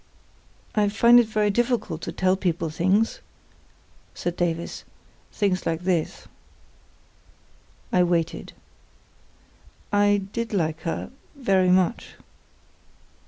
"I find it very difficult to tell people things," said Davies, "things like this." I waited. "I did like her—very much."